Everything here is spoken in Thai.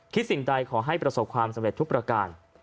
สิ่งใดขอให้ประสบความสำเร็จทุกประการ